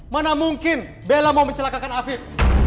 mana mungkin bella mau mencelakakan afif